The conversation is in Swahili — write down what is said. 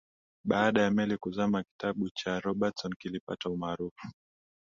baada ya meli kuzama kitabu cha robertson kilipata umaarufu